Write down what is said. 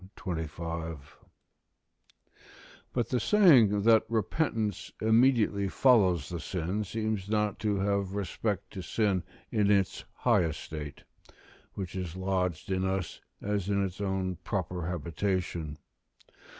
25.] But the saying that repentance immediately follows the sin seems not to have respect to sin in its high estate, which is lodged in us as in its own proper habitation.